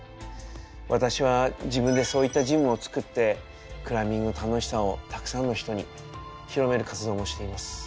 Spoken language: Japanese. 私は自分でそういったジムを作ってクライミングの楽しさをたくさんの人に広める活動もしています。